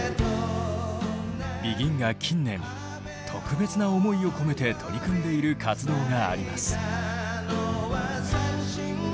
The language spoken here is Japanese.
ＢＥＧＩＮが近年特別な思いを込めて取り組んでいる活動があります。